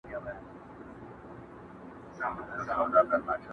د دې غوا عاقبت ښه نه راته ښکاري,